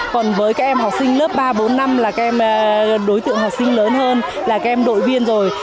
còn với các em học sinh lớp ba bốn năm là các đối tượng học sinh lớn hơn là các em đội viên rồi